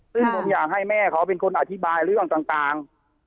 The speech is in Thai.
ซึ่งผมอยากให้แม่เขาเป็นคนอธิบายเรื่องต่าง